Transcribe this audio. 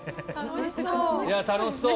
楽しそう！